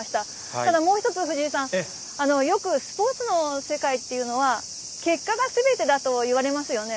ただもう一つ、藤井さん、よくスポーツの世界っていうのは、結果がすべてだと言われますよね。